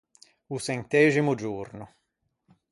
O çenteximo giorno.